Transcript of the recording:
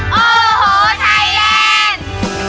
โอ้โหไทยแดน